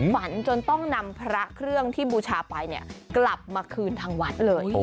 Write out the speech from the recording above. ฝันจนต้องนำพระเครื่องที่บูชาไปกลับมาคืนทางวัดเลย